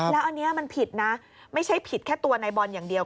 แล้วอันนี้มันผิดนะไม่ใช่ผิดแค่ตัวนายบอลอย่างเดียว